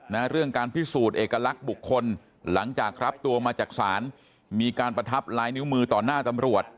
เรื่องการพิสูจน์เอกลักษณ์บุคคลหลังจากรับตัวมาจากศาลมีการประทับลายนิ้วมือต่อหน้าตำรวจ